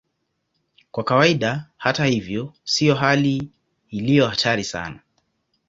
Kwa kawaida, hata hivyo, sio hali iliyo hatari sana.